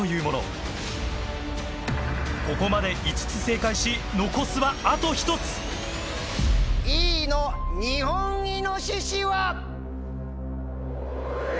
ここまで５つ正解し残すはあと１つＥのニホンイノシシは！